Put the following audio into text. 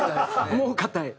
もう硬い。